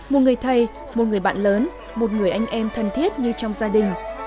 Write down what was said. một người thầy một người bạn lớn một người anh em thân thiết như trong gia đình